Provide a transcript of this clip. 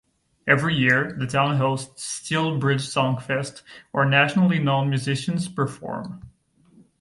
Every year, the town hosts "Steel Bridge Songfest," where nationally known musicians perform.